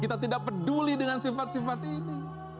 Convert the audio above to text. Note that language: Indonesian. kita tidak peduli dengan sifat sifat ini